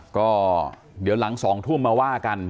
ก็เดี๋ยวหลัง๒ทุ่มมาว่ากัน